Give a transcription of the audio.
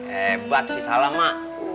hebat sih salah emang